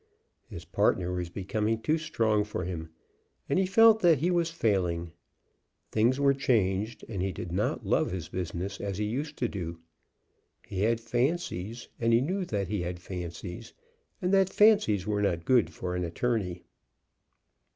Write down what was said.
His partner was becoming too strong for him, and he felt that he was failing. Things were changed; and he did not love his business as he used to do. He had fancies, and he knew that he had fancies, and that fancies were not good for an attorney.